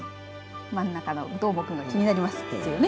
真ん中のどーもくんが気になりますよね。